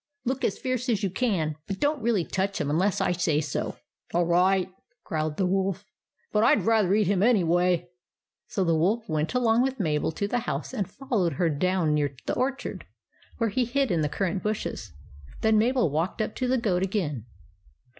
Look as fierce as you can, but don't really touch him unless I say so." 11 All right," growled the Wolf ;" but I 'd rather eat him anyway." So the Wolf went along with Mabel to the house, and followed her down near the orchard, where he hid in the currant bushes. Then Mabel walked up to the goat again.